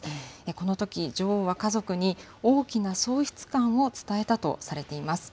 このとき、女王は家族に、大きな喪失感を伝えたとされています。